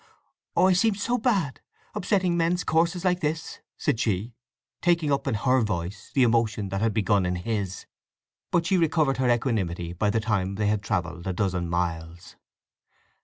"Oh I seem so bad—upsetting men's courses like this!" said she, taking up in her voice the emotion that had begun in his. But she recovered her equanimity by the time they had travelled a dozen miles.